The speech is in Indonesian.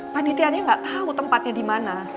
panitianya gak tau tempatnya dimana